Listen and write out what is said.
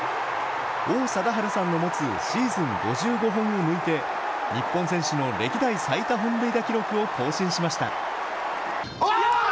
王貞治さんの持つシーズン５５本を抜いて、日本選手の歴代最多本塁打記録を更新しました。